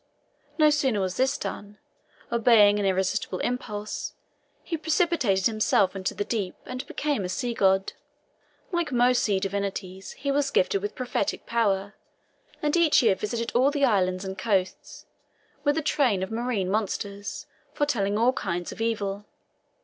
No sooner was this done than, obeying an irresistible impulse, he precipitated himself into the deep, and became a sea god. Like most sea divinities he was gifted with prophetic power, and each year visited all the islands and coasts with a train of marine monsters, foretelling all kinds of evil.